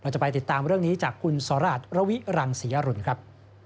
จะไปติดตามเรื่องนี้จากคุณสราชระวิรังศรีอรุณครับ